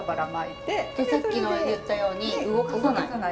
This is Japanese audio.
でさっきの言ったように動かさない。